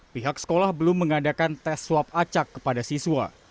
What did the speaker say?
pihak sekolah belum mengadakan tes swab acak kepada siswa